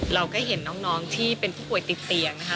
เราก็เห็นน้องที่เป็นผู้ป่วยติดเตียงนะคะ